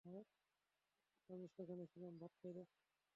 আমি সেখানে ছিলাম!